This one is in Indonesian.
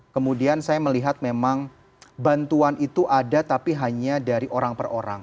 kemudian saya melihat memang bantuan itu ada tapi hanya dari orang per orang